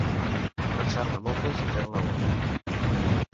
Pensar-ne moltes i fer-ne una.